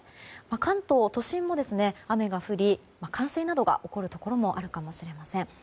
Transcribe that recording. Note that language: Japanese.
関東都心も雨が降り冠水などが起こるところもあるかもしれません。